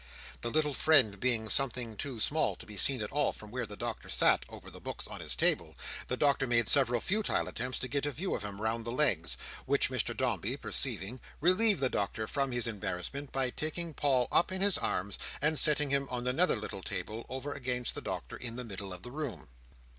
The little friend being something too small to be seen at all from where the Doctor sat, over the books on his table, the Doctor made several futile attempts to get a view of him round the legs; which Mr Dombey perceiving, relieved the Doctor from his embarrassment by taking Paul up in his arms, and sitting him on another little table, over against the Doctor, in the middle of the room.